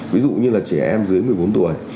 ví dụ như là trẻ em dưới một mươi bốn tuổi